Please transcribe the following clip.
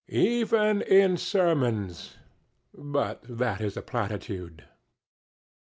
Even in sermons but that is a platitude.